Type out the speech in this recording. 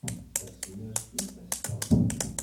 D asemmiḍ cwiṭ ass-a.